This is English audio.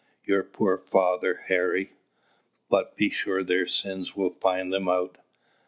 "Your poor father, Harry But be sure their sins will find them out!